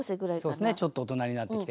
そうですねちょっと大人になってきて。